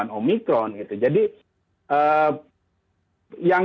itu mungkin diapa